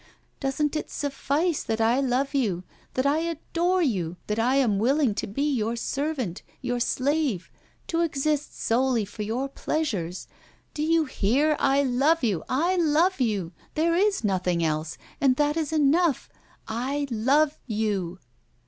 Doesn't it suffice that I love you, that I adore you, that I am willing to be your servant, your slave, to exist solely for your pleasures? Do you hear, I love you, I love you? there is nothing else, and that is enough I love you!